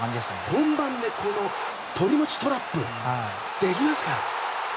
本番でとりもちトラップできますか？